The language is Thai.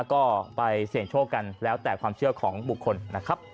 ก็ไปเสี่ยงโชคกันแล้วแต่ความเชื่อของบุคคลนะครับ